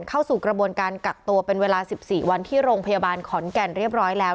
เข้าสู่กระบวนการกักตัวเป็นเวลา๑๔วันที่โรงพยาบาลขอนแก่นเรียบร้อยแล้ว